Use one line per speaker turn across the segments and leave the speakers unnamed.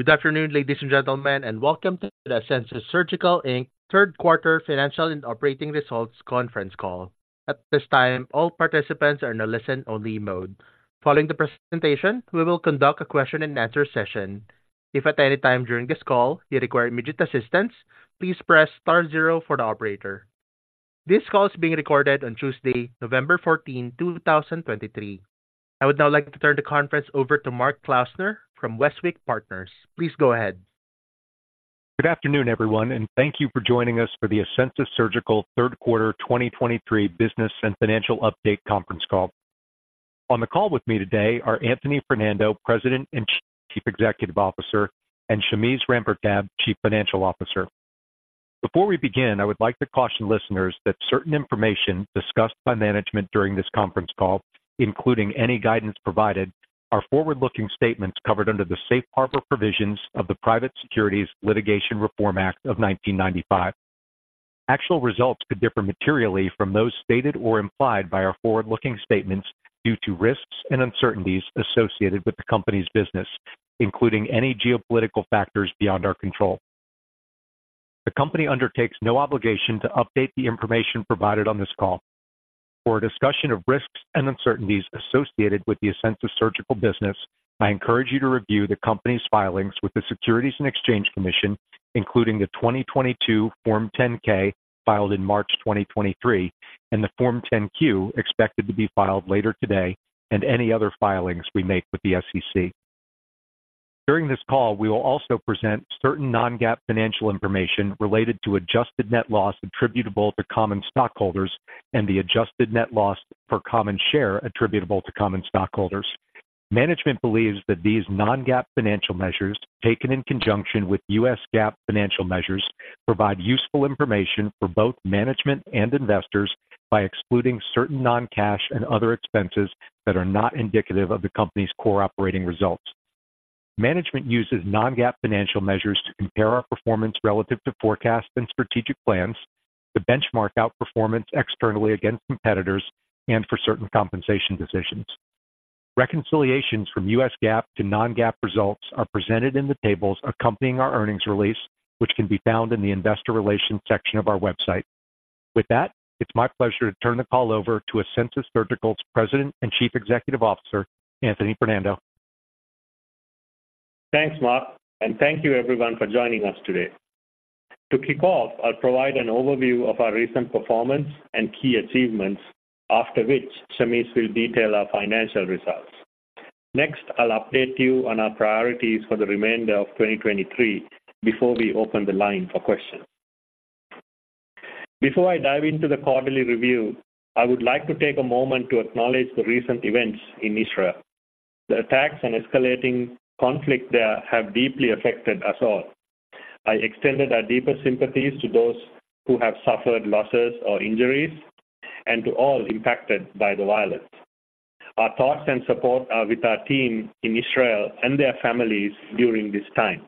Good afternoon, ladies and gentlemen, and welcome to the Asensus Surgical Inc Third Quarter Financial and Operating Results Conference Call. At this time, all participants are in a listen-only mode. Following the presentation, we will conduct a question-and-answer session. If at any time during this call you require immediate assistance, please press star zero for the operator. This call is being recorded on Tuesday, November 14th, 2023. I would now like to turn the conference over to Mark Klausner from Westwicke Partners. Please go ahead.
Good afternoon, everyone, and thank you for joining us for the Asensus Surgical third quarter 2023 business and financial update conference call. On the call with me today are Anthony Fernando, President and Chief Executive Officer, and Shameze Rampertab, Chief Financial Officer. Before we begin, I would like to caution listeners that certain information discussed by management during this conference call, including any guidance provided, are forward-looking statements covered under the Safe Harbor provisions of the Private Securities Litigation Reform Act of 1995. Actual results could differ materially from those stated or implied by our forward-looking statements due to risks and uncertainties associated with the company's business, including any geopolitical factors beyond our control. The company undertakes no obligation to update the information provided on this call. For a discussion of risks and uncertainties associated with the Asensus Surgical business, I encourage you to review the company's filings with the Securities and Exchange Commission, including the 2022 Form 10-K filed in March 2023, and the Form 10-Q expected to be filed later today, and any other filings we make with the SEC. During this call, we will also present certain non-GAAP financial information related to adjusted net loss attributable to common stockholders and the adjusted net loss per common share attributable to common stockholders. Management believes that these non-GAAP financial measures, taken in conjunction with U.S. GAAP financial measures, provide useful information for both management and investors by excluding certain non-cash and other expenses that are not indicative of the company's core operating results. Management uses non-GAAP financial measures to compare our performance relative to forecasts and strategic plans, to benchmark outperformance externally against competitors, and for certain compensation decisions. Reconciliations from U.S. GAAP to non-GAAP results are presented in the tables accompanying our earnings release, which can be found in the investor relations section of our website. With that, it's my pleasure to turn the call over to Asensus Surgical's President and Chief Executive Officer, Anthony Fernando.
Thanks, Mark, and thank you everyone for joining us today. To kick off, I'll provide an overview of our recent performance and key achievements, after which Shameze will detail our financial results. Next, I'll update you on our priorities for the remainder of 2023 before we open the line for questions. Before I dive into the quarterly review, I would like to take a moment to acknowledge the recent events in Israel. The attacks and escalating conflict there have deeply affected us all. I extended our deepest sympathies to those who have suffered losses or injuries and to all impacted by the violence. Our thoughts and support are with our team in Israel and their families during this time.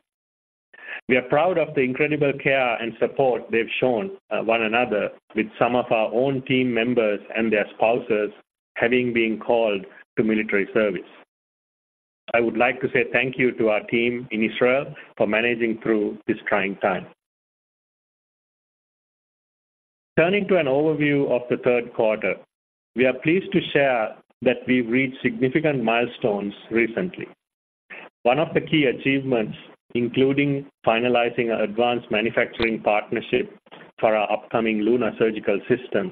We are proud of the incredible care and support they've shown one another, with some of our own team members and their spouses having been called to military service. I would like to say thank you to our team in Israel for managing through this trying time. Turning to an overview of the third quarter, we are pleased to share that we've reached significant milestones recently. One of the key achievements, including finalizing our advanced manufacturing partnership for our upcoming LUNA Surgical System,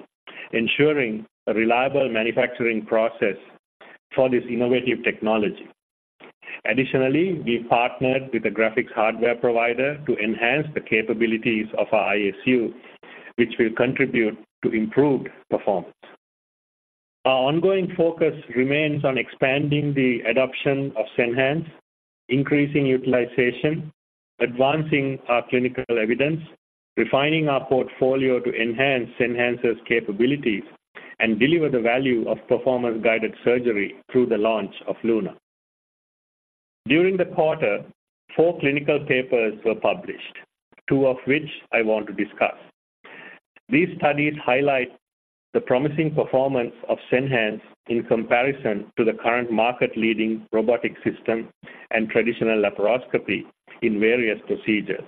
ensuring a reliable manufacturing process for this innovative technology. Additionally, we've partnered with a graphics hardware provider to enhance the capabilities of our ISU, which will contribute to improved performance. Our ongoing focus remains on expanding the adoption of Senhance, increasing utilization, advancing our clinical evidence, refining our portfolio to enhance Senhance's capabilities, and deliver the value of Performance-Guided Surgery through the launch of LUNA. During the quarter, four clinical papers were published, two of which I want to discuss. These studies highlight the promising performance of Senhance in comparison to the current market-leading robotic system and traditional laparoscopy in various procedures.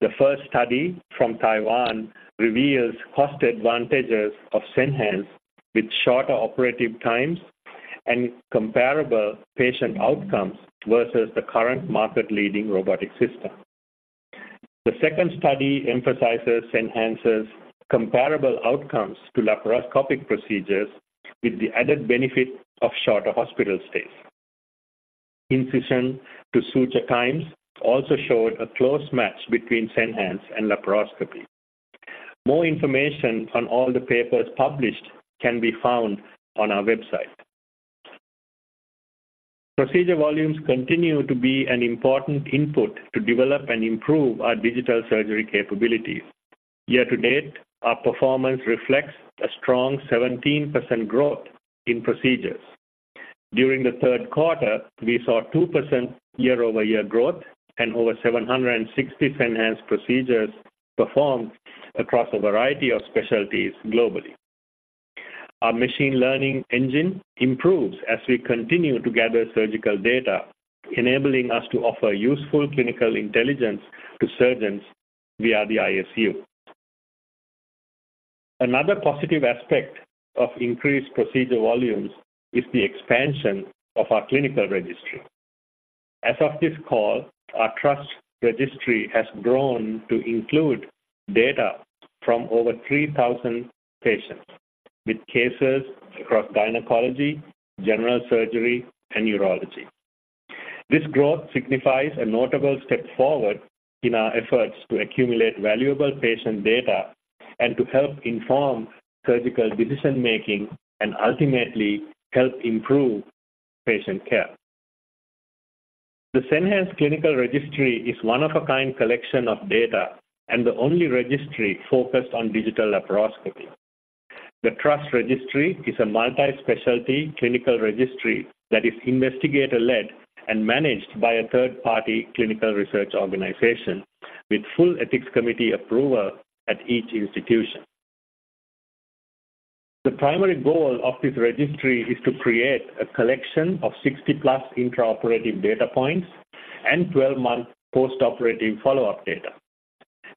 The first study from Taiwan reveals cost advantages of Senhance with shorter operative times and comparable patient outcomes versus the current market-leading robotic system. The second study emphasizes Senhance's comparable outcomes to laparoscopic procedures with the added benefit of shorter hospital stays. Incision to suture times also showed a close match between Senhance and laparoscopy. More information on all the papers published can be found on our website. Procedure volumes continue to be an important input to develop and improve our digital surgery capabilities. Year to date, our performance reflects a strong 17% growth in procedures. During the third quarter, we saw 2% year-over-year growth and over 760 Senhance procedures performed across a variety of specialties globally. Our machine learning engine improves as we continue to gather surgical data, enabling us to offer useful clinical intelligence to surgeons via the ISU. Another positive aspect of increased procedure volumes is the expansion of our clinical registry. As of this call, our TRUST Registry has grown to include data from over 3,000 patients, with cases across gynecology, general surgery, and urology. This growth signifies a notable step forward in our efforts to accumulate valuable patient data and to help inform surgical decision-making, and ultimately, help improve patient care. The Senhance Clinical Registry is one-of-a-kind collection of data, and the only registry focused on digital laparoscopy. The TRUST Registry is a multi-specialty clinical registry that is investigator-led and managed by a third-party clinical research organization, with full ethics committee approval at each institution. The primary goal of this registry is to create a collection of 60+ intraoperative data points and 12-month post-operative follow-up data.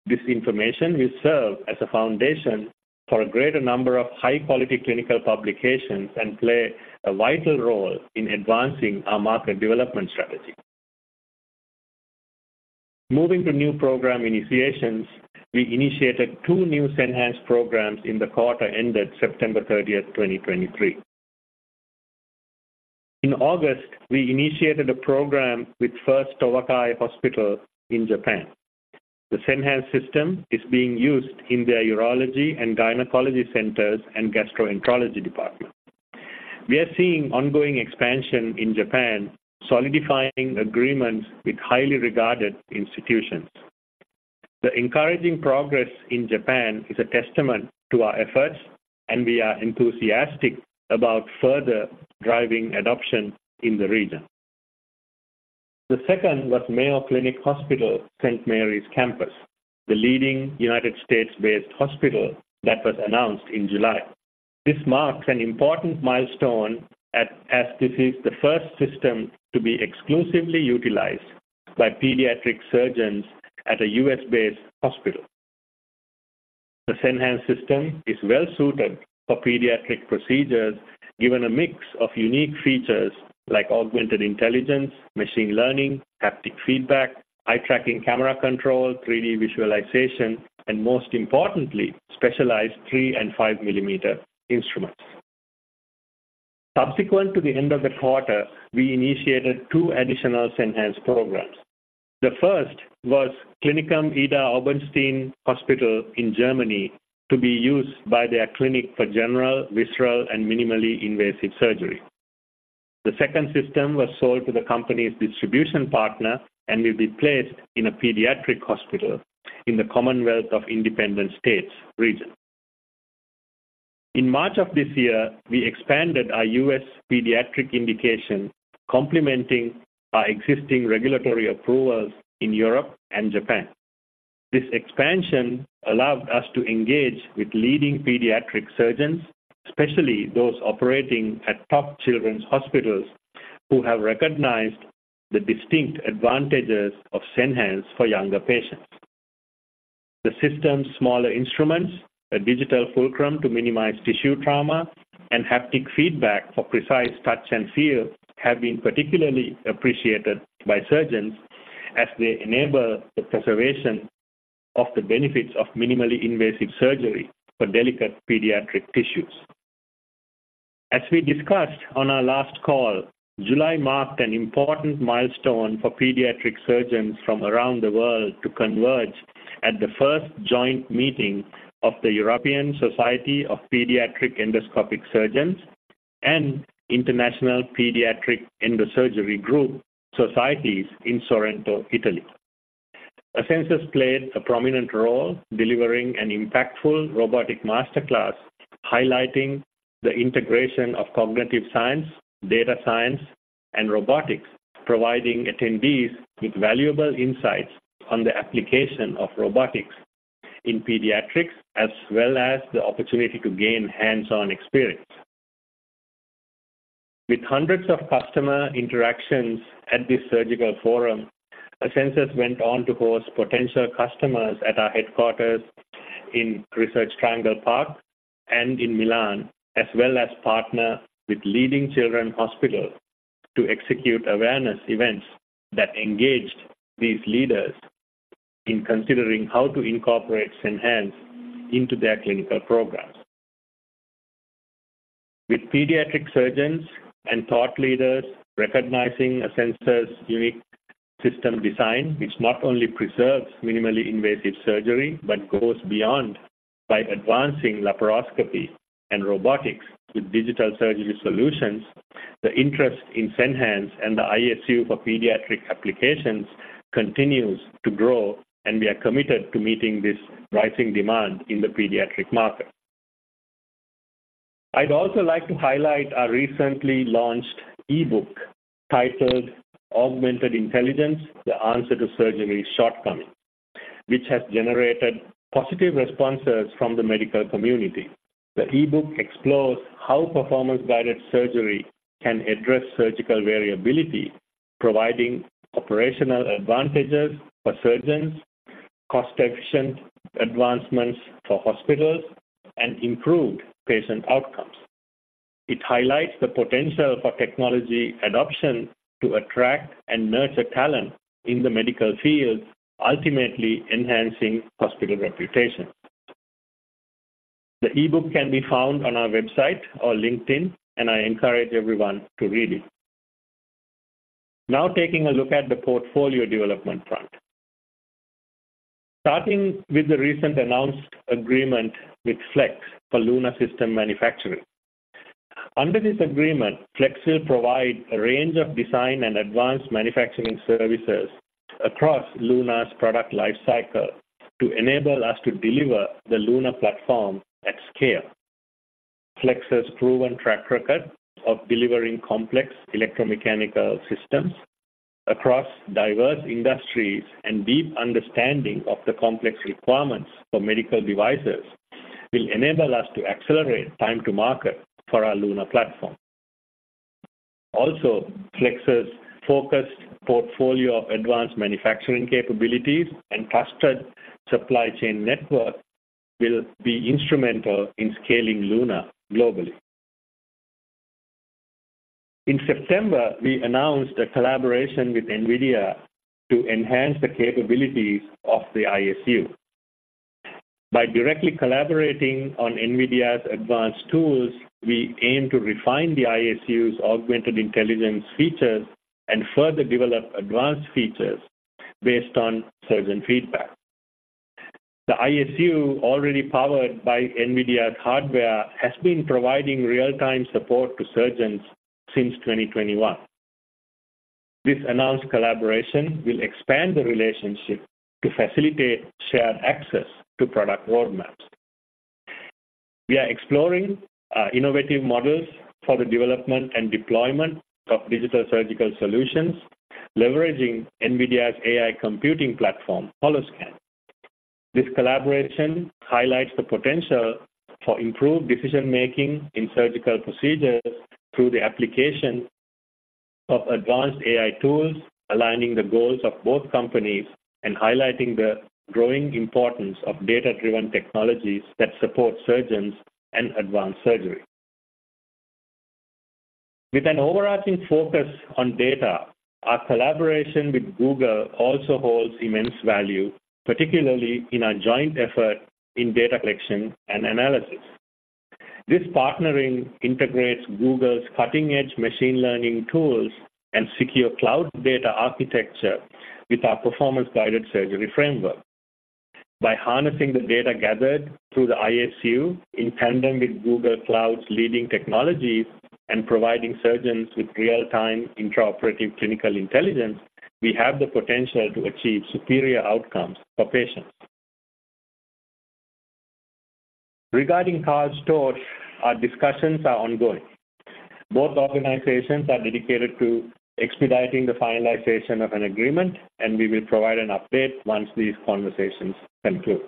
This information will serve as a foundation for a greater number of high-quality clinical publications and play a vital role in advancing our market development strategy. Moving to new program initiations, we initiated two new Senhance programs in the quarter ended September 30, 2023. In August, we initiated a program with First Towakai Hospital in Japan. The Senhance system is being used in their urology and gynecology centers and gastroenterology department. We are seeing ongoing expansion in Japan, solidifying agreements with highly regarded institutions. The encouraging progress in Japan is a testament to our efforts, and we are enthusiastic about further driving adoption in the region. The second was Mayo Clinic Hospital, Saint Marys Campus, the leading United States-based hospital that was announced in July. This marks an important milestone as this is the first system to be exclusively utilized by pediatric surgeons at a U.S.-based hospital. The Senhance system is well-suited for pediatric procedures, given a mix of unique features like augmented intelligence, machine learning, haptic feedback, eye-tracking camera control, 3D visualization, and most importantly, specialized 3 and 5 millimeter instruments. Subsequent to the end of the quarter, we initiated two additional Senhance programs. The first was Klinikum Idar-Oberstein Hospital in Germany, to be used by their clinic for general, visceral, and minimally invasive surgery. The second system was sold to the company's distribution partner and will be placed in a pediatric hospital in the Commonwealth of Independent States region. In March of this year, we expanded our U.S. pediatric indication, complementing our existing regulatory approvals in Europe and Japan. This expansion allowed us to engage with leading pediatric surgeons, especially those operating at top children's hospitals, who have recognized the distinct advantages of Senhance for younger patients. The system's smaller instruments, a Digital Fulcrum to minimize tissue trauma, and haptic feedback for precise touch and feel, have been particularly appreciated by surgeons as they enable the preservation of the benefits of minimally invasive surgery for delicate pediatric tissues. As we discussed on our last call, July marked an important milestone for pediatric surgeons from around the world to converge at the first joint meeting of the European Society of Pediatric Endoscopic Surgeons and International Pediatric Endosurgery Group societies in Sorrento, Italy. Asensus played a prominent role delivering an impactful robotic master class, highlighting the integration of cognitive science, data science, and robotics, providing attendees with valuable insights on the application of robotics in pediatrics, as well as the opportunity to gain hands-on experience. With hundreds of customer interactions at this surgical forum, Asensus went on to host potential customers at our headquarters in Research Triangle Park and in Milan, as well as partner with leading children's hospitals to execute awareness events that engaged these leaders in considering how to incorporate Senhance into their clinical programs. With pediatric surgeons and thought leaders recognizing Asensus' unique system design, which not only preserves minimally invasive surgery, but goes beyond by advancing laparoscopy and robotics with digital surgery solutions, the interest in Senhance and the ISU for pediatric applications continues to grow, and we are committed to meeting this rising demand in the pediatric market. I'd also like to highlight our recently launched e-book, titled Augmented Intelligence: The Answer to Surgery's Shortcomings, which has generated positive responses from the medical community. The e-book explores how Performance-Guided Surgery can address surgical variability, providing operational advantages for surgeons, cost-efficient advancements for hospitals, and improved patient outcomes. It highlights the potential for technology adoption to attract and nurture talent in the medical field, ultimately enhancing hospital reputation. The e-book can be found on our website or LinkedIn, and I encourage everyone to read it. Now, taking a look at the portfolio development front. Starting with the recent announced agreement with Flex for LUNA system manufacturing. Under this agreement, Flex will provide a range of design and advanced manufacturing services across LUNA's product life cycle to enable us to deliver the LUNA platform at scale. Flex's proven track record of delivering complex electromechanical systems across diverse industries and deep understanding of the complex requirements for medical devices will enable us to accelerate time to market for our LUNA platform. Also, Flex's focused portfolio of advanced manufacturing capabilities and trusted supply chain network will be instrumental in scaling LUNA globally. In September, we announced a collaboration with NVIDIA to enhance the capabilities of the ISU. By directly collaborating on NVIDIA's advanced tools, we aim to refine the ISU's augmented intelligence features and further develop advanced features based on surgeon feedback. The ISU, already powered by NVIDIA's hardware, has been providing real-time support to surgeons since 2021. This announced collaboration will expand the relationship to facilitate shared access to product roadmaps. We are exploring innovative models for the development and deployment of digital surgical solutions, leveraging NVIDIA's AI computing platform, Holoscan. This collaboration highlights the potential for improved decision-making in surgical procedures through the application of advanced AI tools, aligning the goals of both companies, and highlighting the growing importance of data-driven technologies that support surgeons and advanced surgery. With an overarching focus on data, our collaboration with Google also holds immense value, particularly in our joint effort in data collection and analysis. This partnering integrates Google's cutting-edge machine learning tools and secure cloud data architecture with our Performance-Guided Surgery framework. By harnessing the data gathered through the ISU in tandem with Google Cloud's leading technologies and providing surgeons with real-time intraoperative clinical intelligence, we have the potential to achieve superior outcomes for patients. Regarding KARL STORZ, our discussions are ongoing. Both organizations are dedicated to expediting the finalization of an agreement, and we will provide an update once these conversations conclude.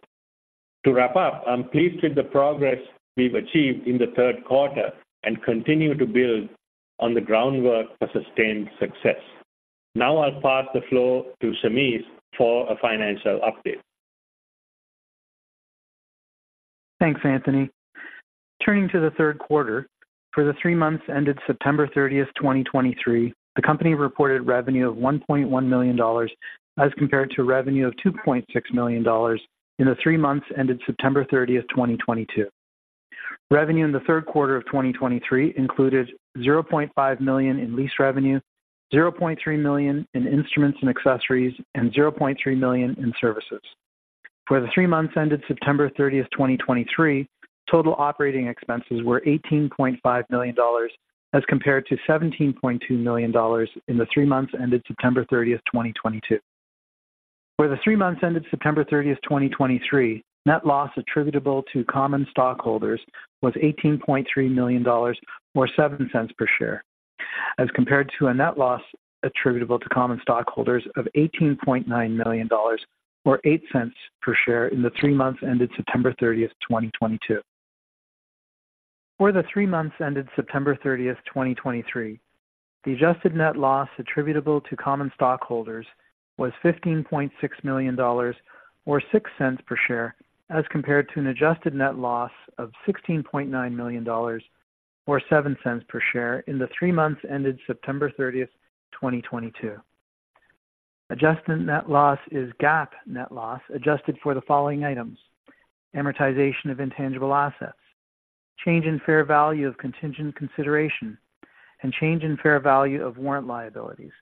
To wrap up, I'm pleased with the progress we've achieved in the third quarter and continue to build on the groundwork for sustained success. Now I'll pass the floor to Shameze for a financial update.
Thanks, Anthony. Turning to the third quarter, for the three months ended September 30, 2023, the company reported revenue of $1.1 million, as compared to revenue of $2.6 million in the three months ended September 30, 2022. Revenue in the third quarter of 2023 included $0.5 million in lease revenue, $0.3 million in instruments and accessories, and $0.3 million in services. For the three months ended September 30, 2023, total operating expenses were $18.5 million, as compared to $17.2 million in the three months ended September 30, 2022. For the three months ended September 30, 2023, net loss attributable to common stockholders was $18.3 million, or $0.07 per share, as compared to a net loss attributable to common stockholders of $18.9 million, or $0.08 per share, in the three months ended September 30, 2022. For the three months ended September 30, 2023, the adjusted net loss attributable to common stockholders was $15.6 million, or $0.06 per share, as compared to an adjusted net loss of $16.9 million, or $0.07 per share, in the three months ended September 30, 2022. Adjusted net loss is GAAP net loss, adjusted for the following items: amortization of intangible assets, change in fair value of contingent consideration, and change in fair value of warrant liabilities,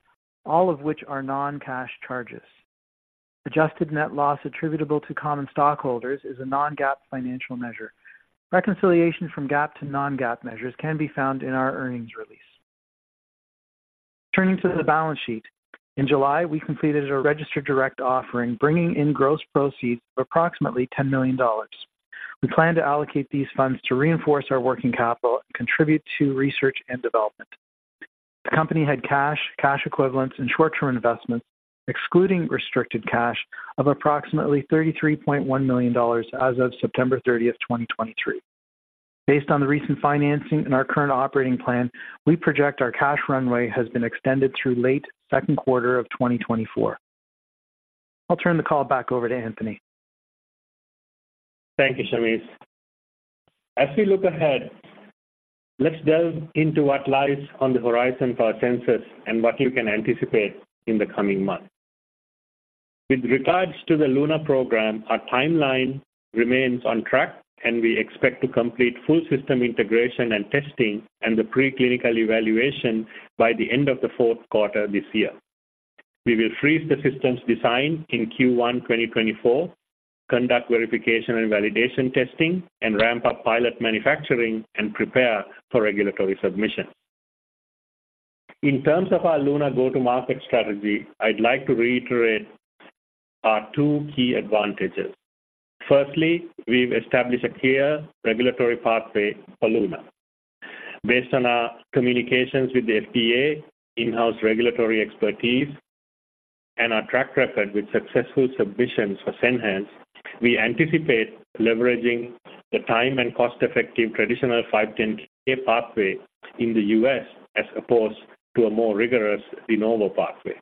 all of which are non-cash charges. Adjusted net loss attributable to common stockholders is a non-GAAP financial measure. Reconciliation from GAAP to non-GAAP measures can be found in our earnings release. Turning to the balance sheet, in July, we completed a registered direct offering, bringing in gross proceeds of approximately $10 million. We plan to allocate these funds to reinforce our working capital and contribute to research and development. The company had cash, cash equivalents, and short-term investments, excluding restricted cash, of approximately $33.1 million as of September 30, 2023. Based on the recent financing and our current operating plan, we project our cash runway has been extended through late second quarter of 2024. I'll turn the call back over to Anthony.
Thank you, Shameze. As we look ahead, let's delve into what lies on the horizon for Asensus and what you can anticipate in the coming months. With regards to the LUNA program, our timeline remains on track, and we expect to complete full system integration and testing and the preclinical evaluation by the end of the fourth quarter this year. We will freeze the system's design in Q1 2024, conduct verification and validation testing, and ramp up pilot manufacturing and prepare for regulatory submission. In terms of our LUNA go-to-market strategy, I'd like to reiterate our two key advantages. Firstly, we've established a clear regulatory pathway for LUNA. Based on our communications with the FDA, in-house regulatory expertise, and our track record with successful submissions for Senhance, we anticipate leveraging the time and cost-effective traditional 510(k) pathway in the U.S. as opposed to a more rigorous De Novo pathway.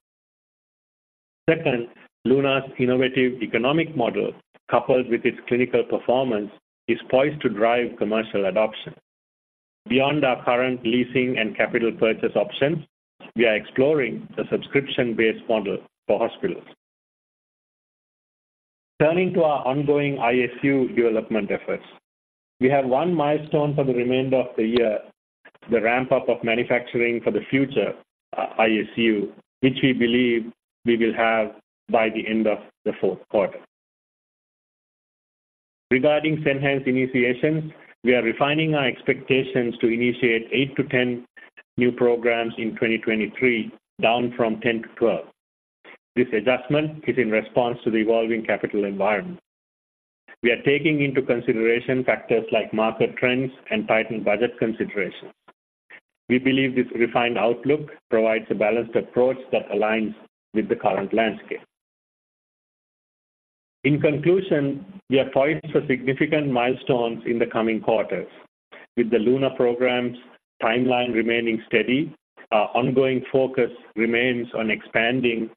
Second, LUNA's innovative economic model, coupled with its clinical performance, is poised to drive commercial adoption. Beyond our current leasing and capital purchase options, we are exploring a subscription-based model for hospitals. Turning to our ongoing ISU development efforts, we have one milestone for the remainder of the year, the ramp-up of manufacturing for the future, ISU, which we believe we will have by the end of the fourth quarter. Regarding Senhance initiations, we are refining our expectations to initiate 8 to 10 new programs in 2023, down from 10-12. This adjustment is in response to the evolving capital environment. We are taking into consideration factors like market trends and tightened budget considerations. We believe this refined outlook provides a balanced approach that aligns with the current landscape. In conclusion, we are poised for significant milestones in the coming quarters. With the LUNA program's timeline remaining steady, our ongoing focus remains on expanding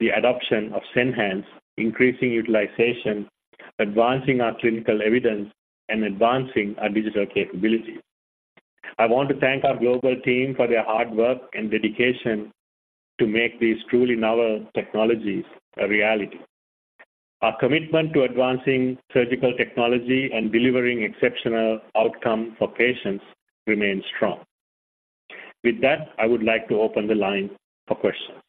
the adoption of Senhance, increasing utilization, advancing our clinical evidence, and advancing our digital capabilities. I want to thank our global team for their hard work and dedication to make these truly novel technologies a reality. Our commitment to advancing surgical technology and delivering exceptional outcome for patients remains strong. With that, I would like to open the line for questions.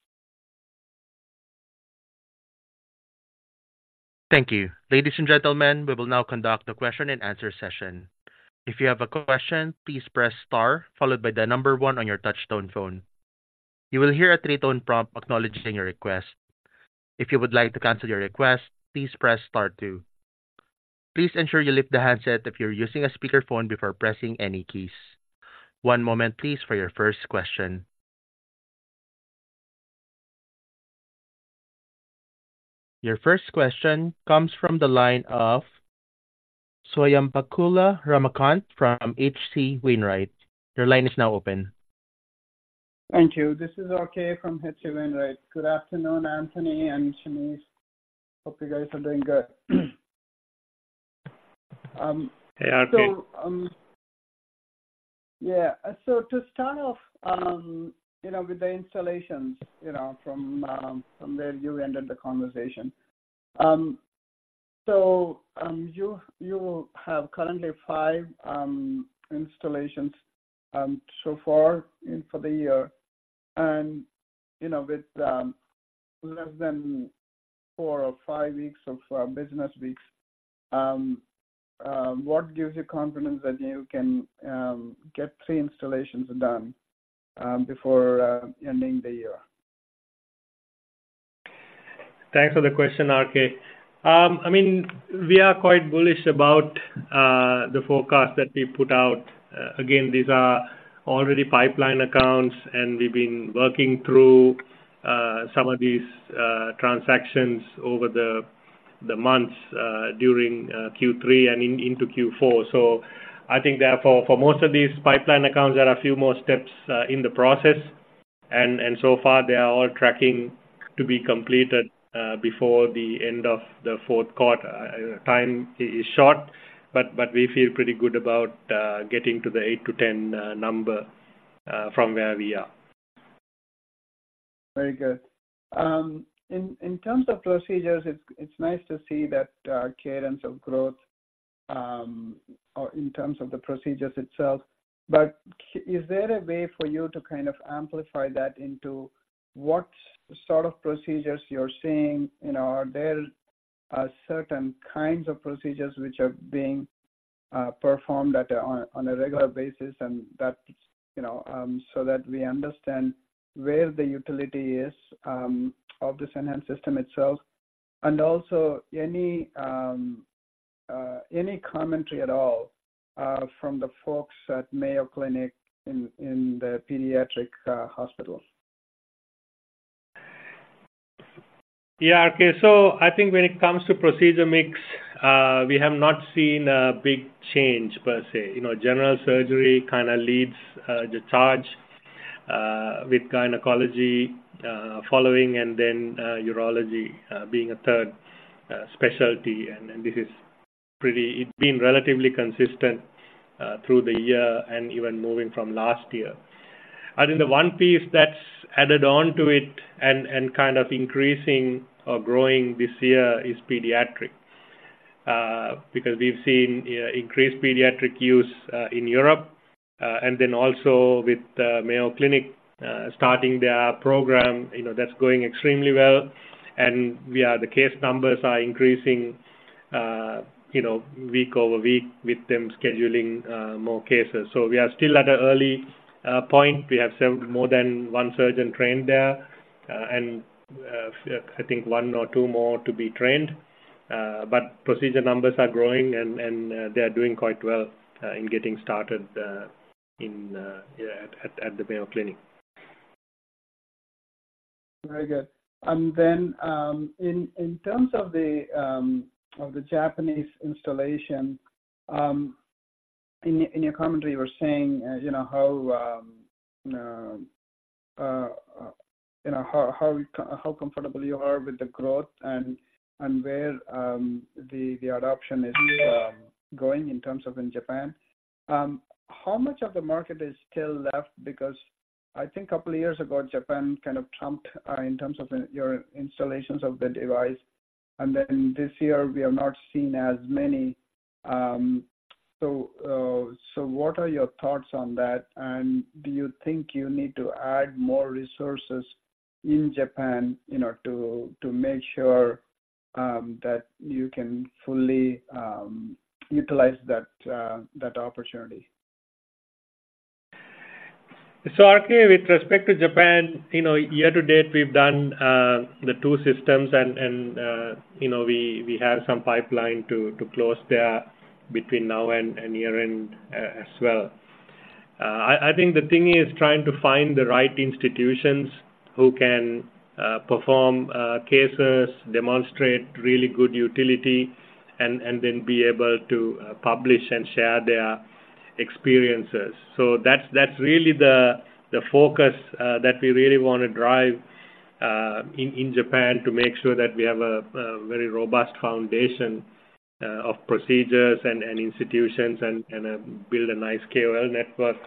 Thank you. Ladies and gentlemen, we will now conduct a question-and-answer session. If you have a question, please press star followed by the number oneon your touchtone phone. You will hear a three tone prompt acknowledging your request. If you would like to cancel your request, please press star two. Please ensure you lift the handset if you're using a speakerphone before pressing any keys. One moment, please, for your first question. Your first question comes from the line of Swayampakula Ramakanth from H.C. Wainwright. Your line is now open.
Thank you. This is RK from H.C. Wainwright. Good afternoon, Anthony and Shameze. Hope you guys are doing good.
Hey, RK.
So, yeah. So to start off, you know, with the installations, you know, from from where you ended the conversation. So, you have currently five installations so far in for the year, and, you know, with less than four or five weeks of business weeks, what gives you confidence that you can get three installations done before ending the year?
Thanks for the question, RK I mean, we are quite bullish about the forecast that we put out. Again, these are already pipelined accounts, and we've been working through some of these transactions over the months during Q3 and into Q4. So I think therefore, for most of these pipeline accounts, there are a few more steps in the process, and so far they are all tracking to be completed before the end of the fourth quarter. Time is short, but we feel pretty good about getting to the 8-10 number from where we are.
Very good. In terms of procedures, it's nice to see that cadence of growth, or in terms of the procedures itself. But is there a way for you to kind of amplify that into what sort of procedures you're seeing? You know, are there certain kinds of procedures which are being performed on a regular basis and that's, you know, so that we understand where the utility is of the Senhance system itself? And also, any commentary at all from the folks at Mayo Clinic in the pediatric hospital?
Yeah, okay. So I think when it comes to procedure mix, we have not seen a big change per se. You know, general surgery kind of leads the charge with gynecology following, and then urology being a third specialty. And it's been relatively consistent through the year and even moving from last year. I think the one piece that's added on to it and kind of increasing or growing this year is pediatric because we've seen increased pediatric use in Europe and then also with the Mayo Clinic starting their program, you know, that's going extremely well. And the case numbers are increasing, you know, week over week with them scheduling more cases. So we are still at an early point. We have served more than one surgeon trained there, and I think one or two more to be trained. But procedure numbers are growing, and they are doing quite well in getting started, yeah, at the Mayo Clinic.
Very good. And then, in terms of the Japanese installation, in your commentary, you were saying, you know, how comfortable you are with the growth and where the adoption is going in terms of in Japan. How much of the market is still left? Because I think a couple of years ago, Japan kind of trumped in terms of your installations of the device, and then this year, we have not seen as many. So, what are your thoughts on that? And do you think you need to add more resources in Japan, you know, to make sure that you can fully utilize that opportunity?
So, RK, with respect to Japan, you know, year to date, we've done the two systems, and you know, we have some pipeline to close there between now and year-end, as well. I think the thing is trying to find the right institutions who can perform cases, demonstrate really good utility, and then be able to publish and share their experiences. So that's really the focus that we really want to drive in Japan, to make sure that we have a very robust foundation of procedures and institutions and build a nice KOL network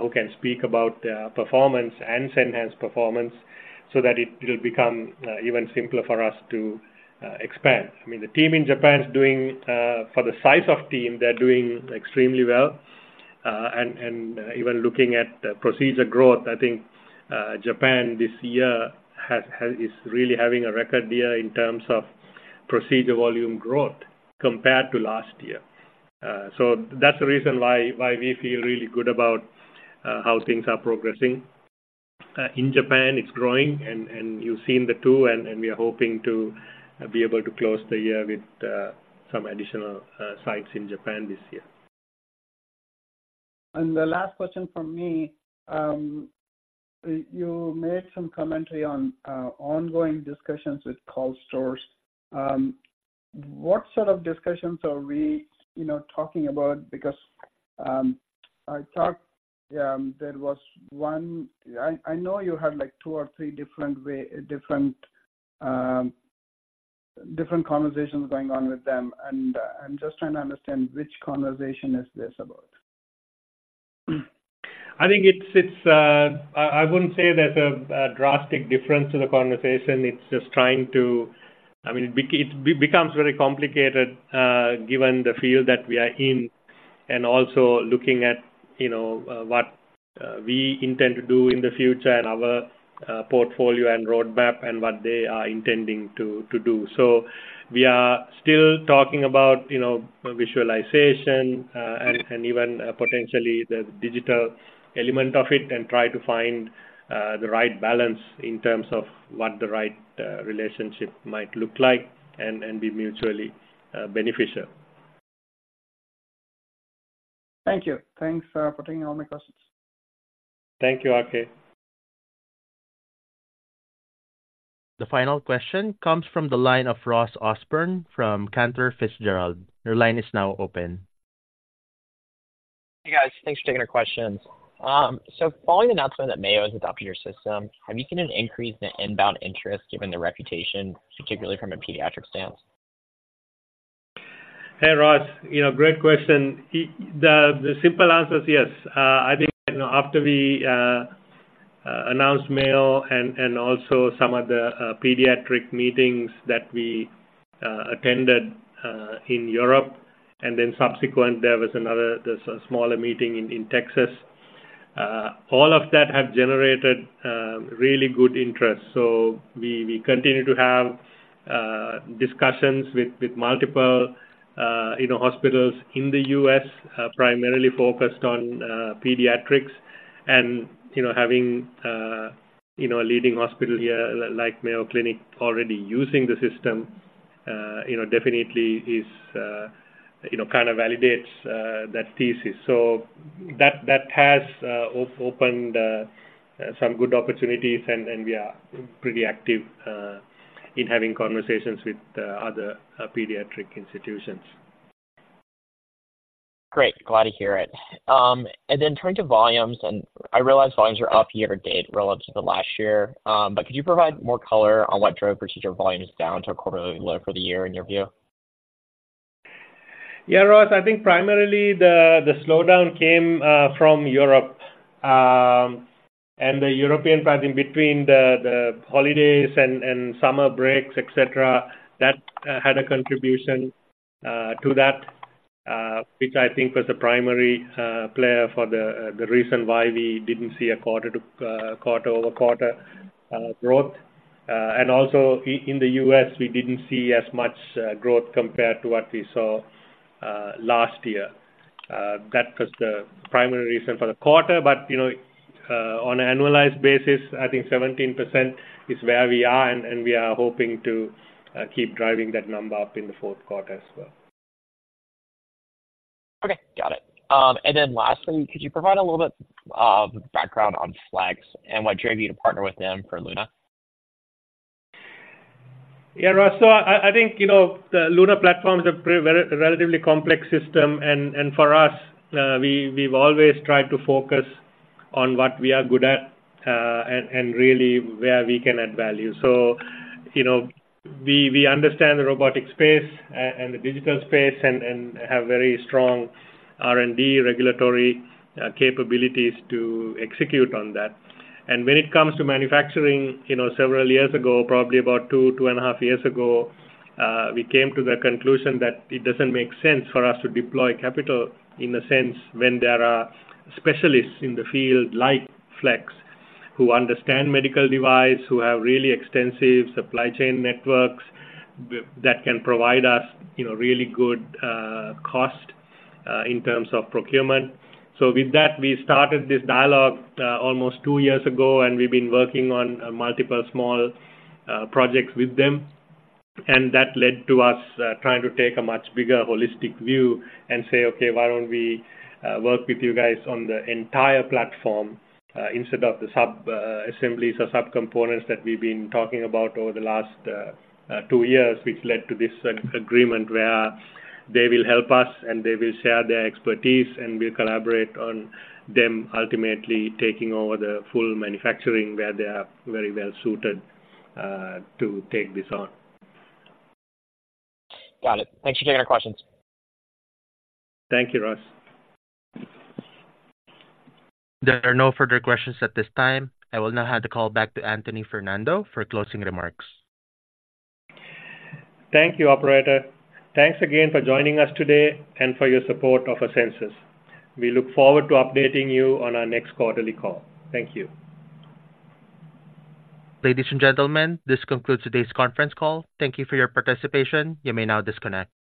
who can speak about their performance and Senhance performance so that it will become even simpler for us to expand. I mean, the team in Japan is doing, for the size of team, they're doing extremely well. And even looking at procedure growth, I think, Japan this year is really having a record year in terms of procedure volume growth compared to last year. So that's the reason why we feel really good about how things are progressing. In Japan, it's growing, and you've seen the two, and we are hoping to be able to close the year with some additional sites in Japan this year.
And the last question from me, you made some commentary on ongoing discussions with KARL STORZ. What sort of discussions are we, you know, talking about? Because I thought there was one. I know you had, like, two or three different way, different, different conversations going on with them, and I'm just trying to understand which conversation is this about.
I think it's. I wouldn't say there's a drastic difference in the conversation. It's just trying to, I mean, it becomes very complicated, given the field that we are in, and also looking at, you know, what we intend to do in the future and our portfolio and roadmap and what they are intending to do. So we are still talking about, you know, visualization, and even potentially the digital element of it, and try to find the right balance in terms of what the right relationship might look like and be mutually beneficial.
Thank you. Thanks, for taking all my questions.
Thank you, RK.
The final question comes from the line of Ross Osborn, from Cantor Fitzgerald. Your line is now open.
Hey, guys. Thanks for taking our questions. So following the announcement that Mayo has adopted your system, have you seen an increase in inbound interest given the reputation, particularly from a pediatric stance?
Hey, Ross. You know, great question. The simple answer is yes. I think, you know, after we announced Mayo and also some of the pediatric meetings that we attended in Europe, and then subsequent, there was another, there's a smaller meeting in Texas, all of that have generated really good interest. So we continue to have discussions with multiple, you know, hospitals in the US, primarily focused on pediatrics. And, you know, having, you know, a leading hospital here, like Mayo Clinic, already using the system, you know, definitely is, you know, kind of validates that thesis. So that has opened some good opportunities, and we are pretty active in having conversations with other pediatric institutions.
Great, glad to hear it. And then turning to volumes, and I realize volumes are off year-to-date relative to last year, but could you provide more color on what drove procedure volumes down to a quarterly low for the year in your view?
Yeah, Ross, I think primarily the slowdown came from Europe. And the European part in between the holidays and summer breaks, et cetera, that had a contribution to that, which I think was the primary player for the reason why we didn't see a quarter-over-quarter growth. And also in the U.S., we didn't see as much growth compared to what we saw last year. That was the primary reason for the quarter, but, you know, on an annualized basis, I think 17% is where we are, and we are hoping to keep driving that number up in the fourth quarter as well.
Okay, got it. And then lastly, could you provide a little bit of background on Flex and what drove you to partner with them for LUNA?
Yeah, Ross, so I think, you know, the LUNA platform is a very relatively complex system, and for us, we've always tried to focus on what we are good at, and really where we can add value. So, you know, we understand the robotic space and the digital space and have very strong R&D regulatory capabilities to execute on that. And when it comes to manufacturing, you know, several years ago, probably about 2, 2.5 years ago, we came to the conclusion that it doesn't make sense for us to deploy capital in a sense, when there are specialists in the field like Flex, who understand medical device, who have really extensive supply chain networks, that can provide us, you know, really good cost in terms of procurement. With that, we started this dialogue almost two years ago, and we've been working on multiple small projects with them. That led to us trying to take a much bigger holistic view and say, "Okay, why don't we work with you guys on the entire platform, instead of the sub assemblies or subcomponents that we've been talking about over the last two years?" Which led to this agreement where they will help us, and they will share their expertise, and we'll collaborate on them, ultimately taking over the full manufacturing, where they are very well suited to take this on.
Got it. Thanks for taking our questions.
Thank you, Ross.
There are no further questions at this time. I will now hand the call back to Anthony Fernando for closing remarks.
Thank you, operator. Thanks again for joining us today and for your support of Asensus. We look forward to updating you on our next quarterly call. Thank you.
Ladies and gentlemen, this concludes today's conference call. Thank you for your participation. You may now disconnect.